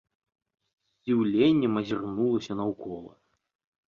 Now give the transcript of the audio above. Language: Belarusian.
З здзіўленнем азірнулася наўкола.